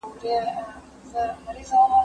مخ یې ونیوی د نیل د سیند پر لوري